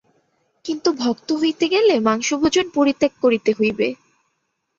কিন্তু ভক্ত হইতে গেলে মাংসভোজন পরিত্যাগ করিতে হইবে।